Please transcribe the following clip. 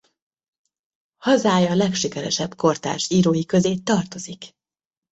Hazája legsikeresebb kortárs írói közé tartozik.